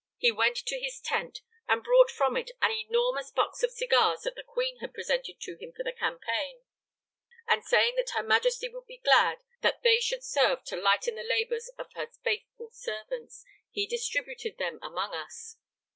He went to his tent and brought from it an enormous box of cigars that the Queen had presented to him for the campaign; and saying that Her Majesty would be glad that they should serve to lighten the labors of her faithful soldiers, he distributed them among us.